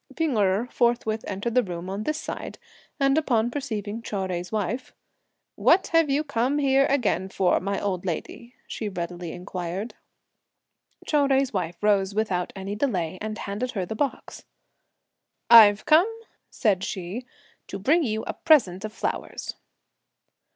P'ing Erh forthwith entered the room on this side, and upon perceiving Chou Jui's wife: "What have you come here again for, my old lady?" she readily inquired. Chou Jui's wife rose without any delay, and handed her the box. "I've come," said she, "to bring you a present of flowers."